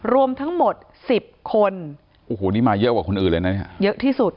รวมทั้งหมด๑๐คนโอ้โหนี่มาเยอะกว่าคนอื่นเลยนะเนี่ยเยอะที่สุด